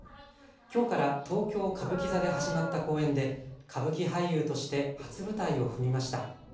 きょうから東京歌舞伎座で始まった公演で歌舞伎俳優として初舞台を踏みました。